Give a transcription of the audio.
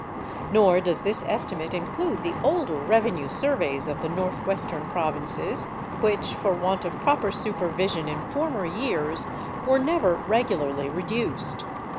Nor does this estimate include the older revenue surveys of the North western Provinces which, for want of proper supervision in former years, were never regularly reduced.